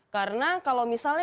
karena kalau misalnya